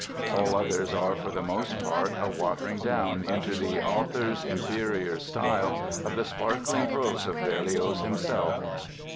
All others are for the most part a watering down into the author's inferior style of the sparkling prose of Berlioz himself".